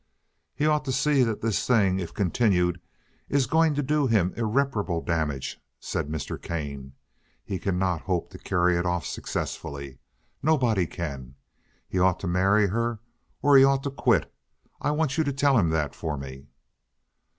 "He ought to see that this thing, if continued, is going to do him irreparable damage," said Mr. Kane. "He cannot hope to carry it off successfully. Nobody can. He ought to marry her or he ought to quit. I want you to tell him that for me."